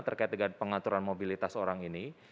terkait dengan pengaturan mobilitas orang ini